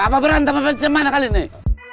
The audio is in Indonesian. apa berantem apa macam mana kali ini